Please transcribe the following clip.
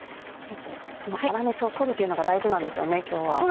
その粗熱を取るというのが大事なんですよね今日は。